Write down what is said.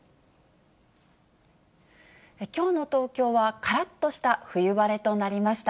きょうの東京はからっとした冬晴れとなりました。